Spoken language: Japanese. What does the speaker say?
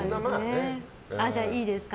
じゃあいいですか。